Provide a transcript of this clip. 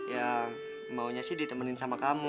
ya maunya sih ditemenin sama kamu